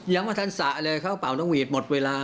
ยังไม่ทันสระเลยเขาเป่านกหวีดหมดเวลา